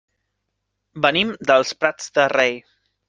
Venim dels Prats de Rei.